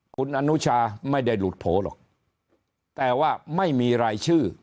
คุณอนุชาไม่ได้หลุดโผล่หรอกแต่ว่าไม่มีรายชื่อ